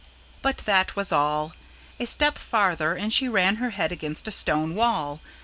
But that was all; a step farther, and she ran her head against a stone wall.